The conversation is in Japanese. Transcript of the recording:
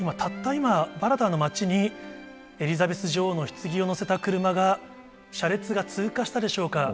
今、バラターの町に、エリザベス女王のひつぎを乗せた車が、車列が通過したでしょうか。